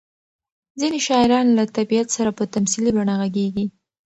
ځینې شاعران له طبیعت سره په تمثیلي بڼه غږېږي.